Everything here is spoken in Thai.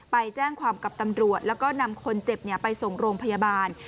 ไปแจ้งความกับตำรวจแล้วก็นำคนเจ็บไปส่งโรงพยาบาล